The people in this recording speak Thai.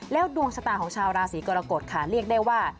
แล้วดวงชะตาของชาวราศีกรกฎค่ะเรียกได้ว่า